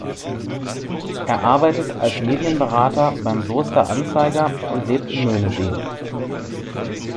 Er arbeitet als Medienberater beim Soester Anzeiger und lebt in Möhnesee.